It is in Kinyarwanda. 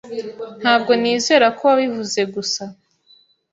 Ntabwo nizera ko wabivuze gusa.